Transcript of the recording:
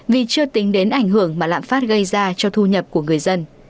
vì chưa tính đến ảnh hưởng mà lạm phát gây ra cho thu nhập của người dân